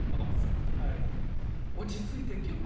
落ち着いてね。